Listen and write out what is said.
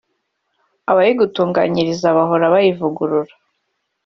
abayigutunganyiriza bahora bayivugurura